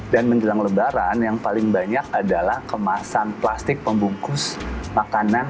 dan menjelang lebaran yang paling banyak adalah kemasan plastik pembungkus makanan